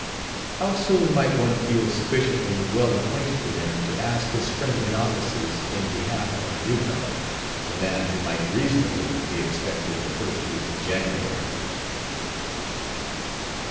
How soon might one feel sufficiently well acquainted with him to ask his friendly offices in behalf of the new comer, the man who might reasonably be expected the first week in January?